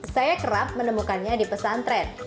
saya kerap menemukannya di pesantren